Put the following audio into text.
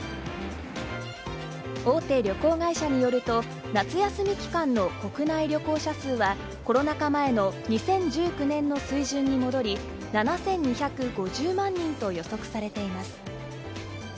大手旅行会社によると、夏休み期間の国内旅行者数はコロナ禍前の２０１９年の水準に戻り、７２５０万人と予測されています。